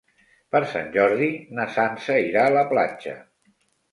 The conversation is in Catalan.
Per Sant Jordi na Sança irà a la platja.